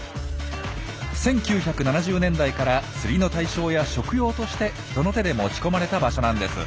１９７０年代から釣りの対象や食用として人の手で持ち込まれた場所なんです。